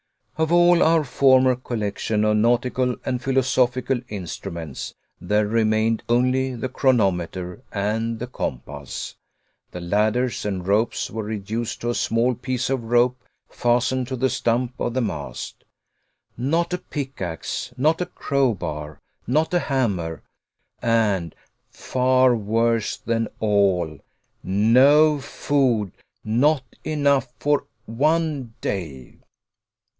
Of all our former collection of nautical and philosophical instruments, there remained only the chronometer and the compass. The ladders and ropes were reduced to a small piece of rope fastened to the stump of the mast. Not a pickax, not a crowbar, not a hammer, and, far worse than all, no food not enough for one day!